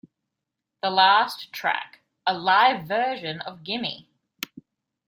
The last track, a live version of Gimme!